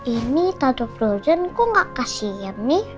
ini tante frozen kok gak kasihan nih